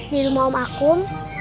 di rumah om akum